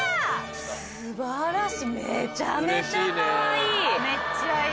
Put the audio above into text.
素晴らしいめちゃめちゃかわいい。